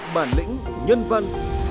bản lĩnh nhân văn